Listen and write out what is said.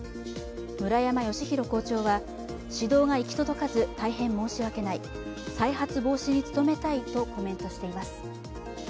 村山義広校長は指導が行き届かず大変申し訳ない再発防止に努めたいとコメントしています。